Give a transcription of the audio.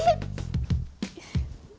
kenapa mulut kamu mangap seperti itu